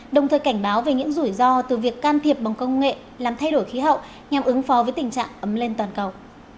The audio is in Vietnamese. đồng thời cảnh báo về những rủi ro từ việc can thiệp bằng công nghệ làm thay đổi khí hậu nhằm ứng phó với tình trạng ấm lên toàn cầu